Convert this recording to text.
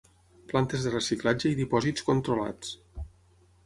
Plantes de reciclatge i dipòsits controlats.